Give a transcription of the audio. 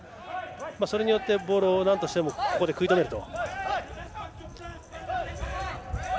それによってボールをなんとしてもここで食い止めると。